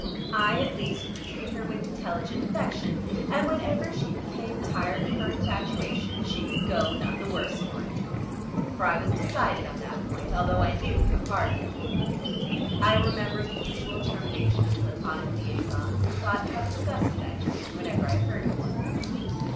I, at least, could treat her with an intelligent affection, and whenever she became tired of her infatuation she could go none the worse for it. For I was decided on that point although I knew how hard it would be. I remembered the usual termination of Platonic liaisons, and thought how disgusted I had been whenever I heard of one.